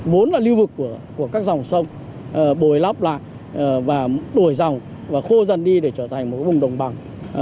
vốn là lưu vực của các dòng sông bồi lóc lại và đổi dòng và khô dần đi để trở thành một vùng đồng bằng